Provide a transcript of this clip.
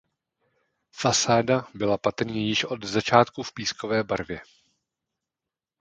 Fasáda byla patrně již od začátku v pískové barvě.